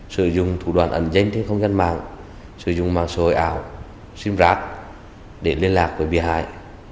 sử dụng thủ đoàn ẩn danh trên không gian mạng sử dụng mạng xã hội ảo sim rác để liên lạc với bị hại